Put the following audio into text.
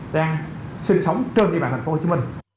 đang sinh sống trên địa bàn tp hcm